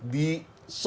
di subjeknya itu